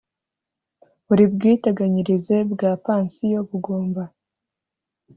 buri bwiteganyirize bwa pansiyo bugomba